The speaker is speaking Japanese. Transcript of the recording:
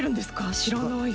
知らない。